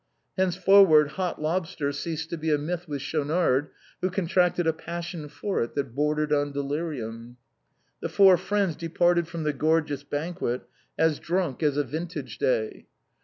Henceforward hot lobster ceased to be a myth with Schau nard, who contracted a passion for it that bordered on delirium. The four friends departed from the gorgeous banquet as drunk as a vintage day.